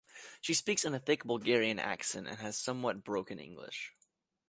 She speaks in a thick Bulgarian accent and has somewhat broken English.